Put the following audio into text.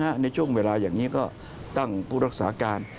ในช่วงเวลาอย่างนี้ก็ตั้งผู้รักษาการ